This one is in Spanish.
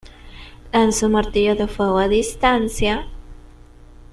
Lanza un martillo de fuego a distancia.